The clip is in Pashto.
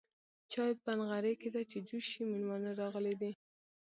چاي په نغرې کيده چې جوش شي ميلمانه راغلي دي.